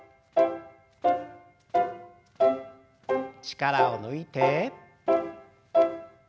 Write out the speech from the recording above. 力を抜いて。